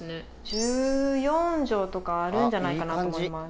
１４帖とかあるんじゃないかなと思います。